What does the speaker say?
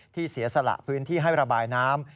เสียสละพื้นที่ให้ระบายน้ำ